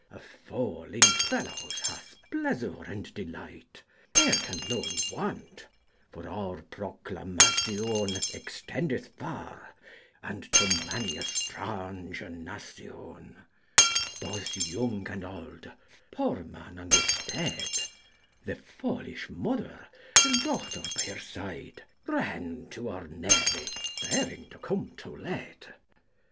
A fole in felawes hath pleasour and delyte. Here can none want, for our proclamacion Extendyth farre: and to many a straunge nacyon. Both yonge and olde, pore man, and estate: The folysshe moder: hir doughter by hir syde, Ren to our Navy, ferynge to come to[o] late.